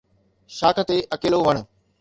شاخ تي اڪيلو وڻ